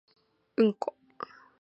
うんこ